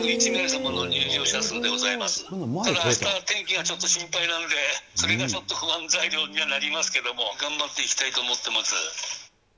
ただあしたがちょっと天気が心配なので、それがちょっと不安材料にはなりますけども、頑張っていきたいと思ってます。